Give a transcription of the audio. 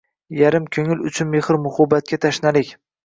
Yarim ko‘ngil uchun mehr-muhabbatga tashnalik.